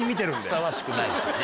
ふさわしくないですね。